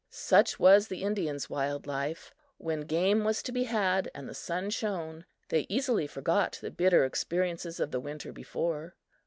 Such was the Indian's wild life! When game was to be had and the sun shone, they easily forgot the bitter experiences of the winter before.